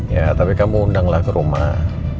ya tapi kamu undanglah ke rumah